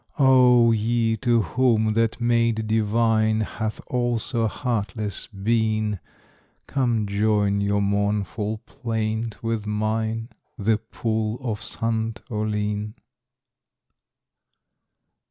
Oh! ye to whom that maid divine Hath also heartless been, Come join your mournful plaint with mine, The pool of Sant' Oline.